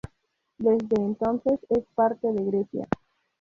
Desde entonces es parte de Grecia.